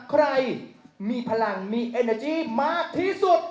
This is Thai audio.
ใครมีพลังมีเอเนอร์จี้มากที่สุด